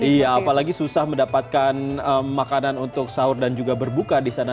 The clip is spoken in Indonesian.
iya apalagi susah mendapatkan makanan untuk sahur dan juga berbuka di sana